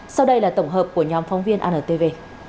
sau đây là tổng hợp của nhóm phóng viên antv